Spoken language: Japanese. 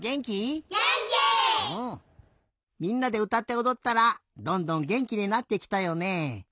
みんなでうたっておどったらどんどんげんきになってきたよねえ。